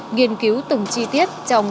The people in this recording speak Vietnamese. nghiên cứu từng chi tiết trong